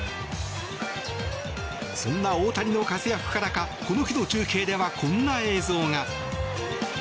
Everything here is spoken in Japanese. そんな大谷の活躍からかこの日の中継ではこんな映像が。